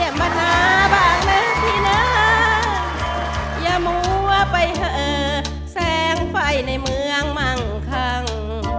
อย่ามัวไปเหอะแสงไฟในเมืองมั่งคัง